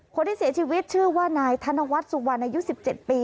คนที่เสียชีวิตชื่อว่านายธนวัฒน์สุวรรณอายุ๑๗ปี